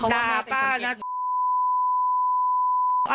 ด่าป้านะ